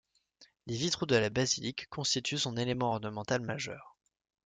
Les vitraux de la basilique constituent son élément ornemental majeur.